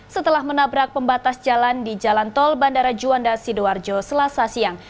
setelah menabrak pembatas jalan di jalan tol bandara juanda sidoarjo selasa siang